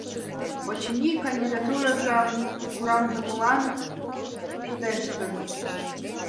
Очыни, кандидатурыжым кораҥдымылан шыдештын.